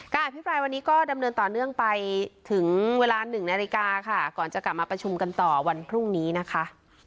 อภิปรายวันนี้ก็ดำเนินต่อเนื่องไปถึงเวลา๑นาฬิกาค่ะก่อนจะกลับมาประชุมกันต่อวันพรุ่งนี้นะคะ